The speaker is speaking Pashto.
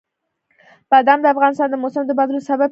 بادام د افغانستان د موسم د بدلون سبب کېږي.